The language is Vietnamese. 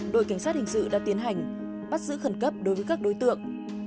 đội cảnh sát hình sự đã tiến hành bắt giữ khẩn cấp đối với các đối tượng